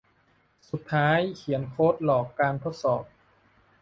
สุดท้ายเขียนโค้ดหลอกการทดสอบ